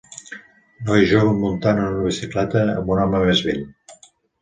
Noi jove muntant una bicicleta amb un home més vell.